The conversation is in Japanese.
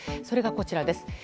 それがこちらです。